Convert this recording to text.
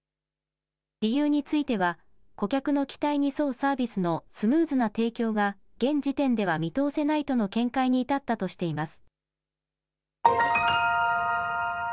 理由については顧客の期待に沿うサービスのスムーズな提供が現時点では見通せないとの見解に至ったとしています。